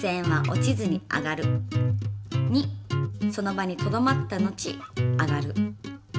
２その場にとどまった後上がる。